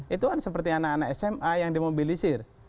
itu kan seperti anak anak sma yang dimobilisir